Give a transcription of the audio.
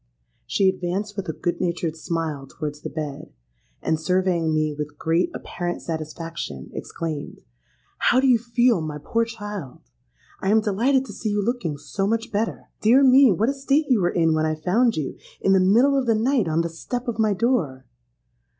She advanced with a good natured smile towards the bed, and, surveying me with great apparent satisfaction, exclaimed, 'How do you feel, my poor child? I am delighted to see you looking so much better! Dear me, what a state you were in when I found you, in the middle of the night, on the step of my door.'